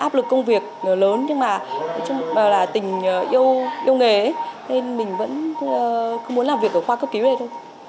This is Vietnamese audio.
áp lực công việc lớn nhưng mà tình yêu nghề nên mình vẫn không muốn làm việc ở khoa cấp cứu đây thôi